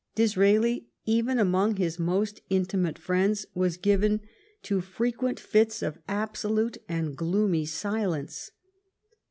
Disraeli, even among his most intimate friends, was given to frequent fits of absolute and apparently gloomy silence.